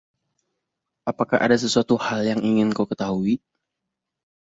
Apakah ada sesuatu hal yang ingin kau ketahui?